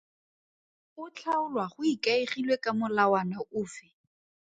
O tlhaolwa go ikaegilwe ka molawana ofe?